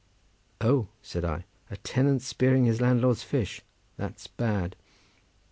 "O," said I, "a tenant spearing his landlord's fish—that's bad."